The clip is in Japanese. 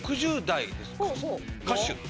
６０代歌手。